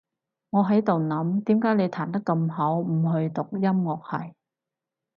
我喺度諗，點解你彈得咁好，唔去讀音樂系？